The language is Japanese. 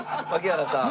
槙原さん。